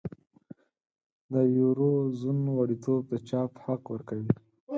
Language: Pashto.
د یورو زون غړیتوب د چاپ حق ورکوي.